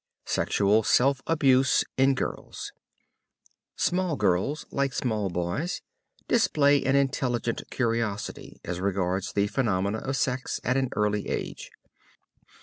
SEXUAL SELF ABUSE IN GIRLS Small girls, like small boys, display an intelligent curiosity as regards the phenomena of sex at an early age.